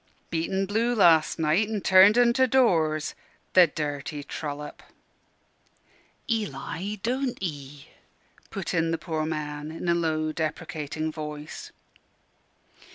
"Beat en blue las' night, an' turned en to doors the dirty trollop." "Eli, don't 'ee " put in the poor man, in a low, deprecating voice.